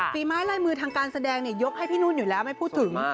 ฝีไม้ลายมือทางการแสดงยกให้พี่นุ่นอยู่แล้วไม่พูดถึง